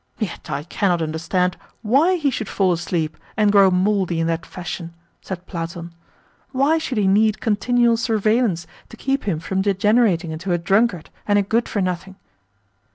"Yet I cannot understand WHY he should fall asleep and grow mouldy in that fashion," said Platon. "Why should he need continual surveillance to keep him from degenerating into a drunkard and a good for nothing?"